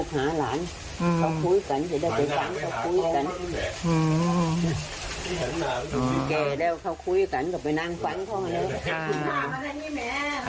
มาหากฟ้องหน่อยแม่